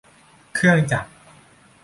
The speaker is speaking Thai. เครื่องจักร